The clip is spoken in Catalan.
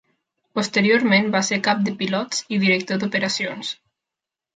Posteriorment va ser Cap de Pilots i Director d'Operacions.